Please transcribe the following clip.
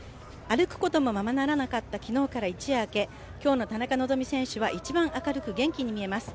歩くこともままならなかった昨日から一夜明け、今日の田中希実選手は一番明るく元気に見えます。